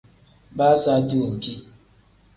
Baa saati wenki.